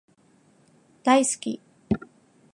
大好き